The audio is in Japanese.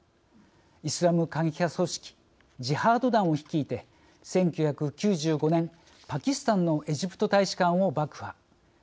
イスラム過激派組織「ジハード団」を率いて１９９５年、パキスタンのエジプト大使館を爆破。